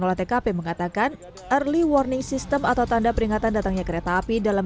olah tkp mengatakan early warning system atau tanda peringatan datangnya kereta api dalam